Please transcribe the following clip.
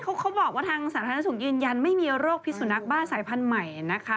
เขาบอกว่าทางสาธารณสุขยืนยันไม่มีโรคพิสุนักบ้าสายพันธุ์ใหม่นะคะ